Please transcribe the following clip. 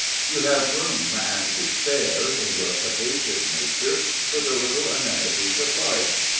You have room and to spare in your capacious nature for the little amenities of life.